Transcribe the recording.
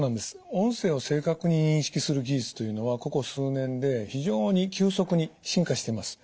音声を正確に認識する技術というのはここ数年で非常に急速に進化してます。